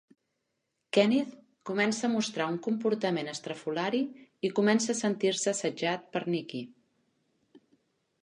Kenneth comença a mostrar un comportament estrafolari i comença a sentir-se assetjat per Nikki.